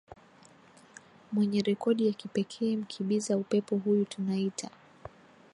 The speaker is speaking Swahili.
mwenye recodi ya kipekee mkibiza upepo huyu tunaita